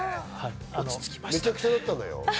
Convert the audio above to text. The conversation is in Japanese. めちゃくちゃだったのよ。